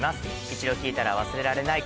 一度聴いたら忘れられない